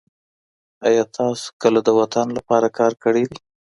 آیا تاسو کله د وطن لپاره کار کړی دی؟